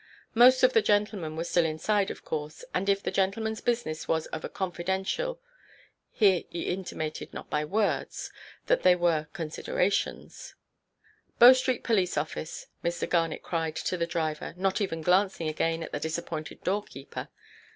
Most of the gentlemen were still inside, of course, and if the gentlemanʼs business was of a confidential——Here he intimated, not by words, that there were considerations—— "Bow Street police–office," Mr. Garnet cried to the driver, not even glancing again at the disappointed doorkeeper.